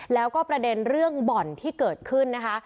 แล้วก็ประเด็นเรื่องบ่อนที่เกิดขึ้นนะคะ